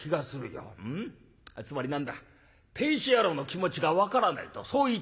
つまり何だ亭主野郎の気持ちが分からないとそう言いたいのか？」。